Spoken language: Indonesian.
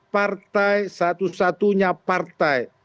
partai satu satunya partai